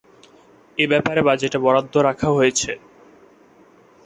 এ ব্যাপারে বাজেটে বরাদ্দ রাখা হয়েছে।